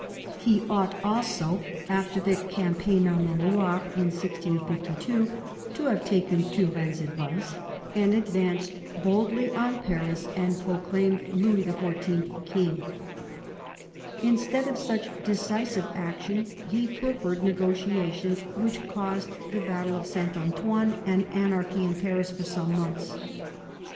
He ought also, after the cam paign on the Loire, in 1652, to have taken Turenne^s advice and advanced boldly on Paris and proclaimed Louis XIV. king. Instead of such decisive action, he preferred negotiations which caused the battle of T 114 MAZABIN CHAP. SaintrAntoine and anarchy in Paris for some months.